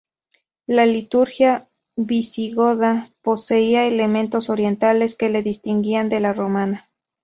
La liturgia visigoda poseía elementos orientales, que la distinguían de la romana.